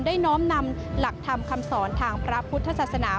น้อมนำหลักธรรมคำสอนทางพระพุทธศาสนา